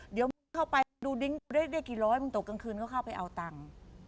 เดี๋ยวมึงเข้าไปดูดิ้งได้กี่ร้อยมึงตกกลางคืนก็เข้าไปเอาตังค์